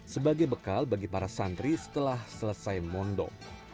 sebagai bekal bagi para santri setelah selesai mondok